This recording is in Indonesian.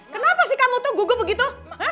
kenapa sih kamu tuh gugup begitu